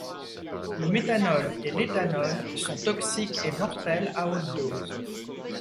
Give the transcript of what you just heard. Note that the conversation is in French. Le méthanol et l'éthanol sont toxiques et mortels à haute dose.